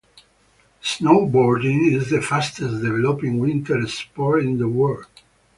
Snowboarding is the fastest developing winter sport in the world.